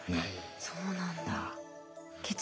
そうなんだ。